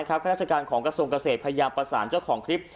ข้าราชการของกระทรวงเกษตรพยายามประสานเจ้าของคลิป